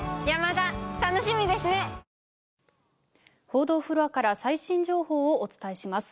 報道フロアから最新情報をお伝えします。